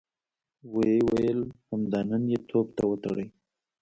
ويې ويل: همدا نن يې توپ ته وتړئ!